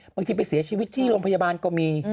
บางทีไปเสียชีวิตที่โรงพยาบาลก็มี